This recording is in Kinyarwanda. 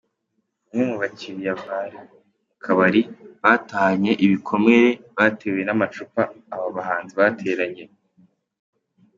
Bamwe mu bakiriya bari mu kabari batahanye ibikomere batewe n’amacupa aba bahanzi bateranye.